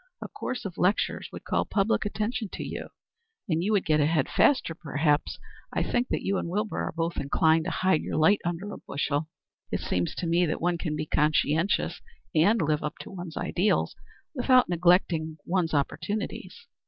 A course of lectures would call public attention to you, and you would get ahead faster, perhaps. I think that you and Wilbur are both inclined to hide your light under a bushel. It seems to me that one can be conscientious and live up to one's ideals without neglecting one's opportunities."